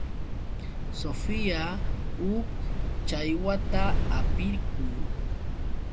Sofía huk challwata hapirqun.